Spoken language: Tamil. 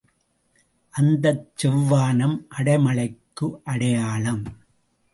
அத்தச் செவ்வானம் அடை மழைக்கு அடையாளம்.